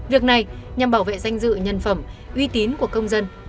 việc này nhằm bảo vệ danh dự nhân phẩm uy tín của công dân